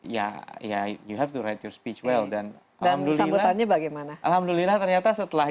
ya ya you have to write your speech well dan dan sambutannya bagaimana alhamdulillah ternyata setelah